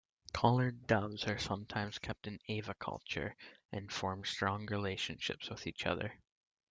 Collared doves are sometimes kept in aviculture, and form strong relationships with each other.